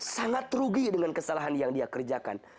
sangat rugi dengan kesalahan yang dia kerjakan